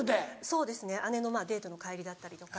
そうですね姉のデートの帰りだったりとか。